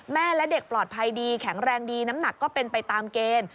แม่และเด็กปลอดภัยดีแข็งแรงดีน้ำหนักก็เป็นไปตามเกณฑ์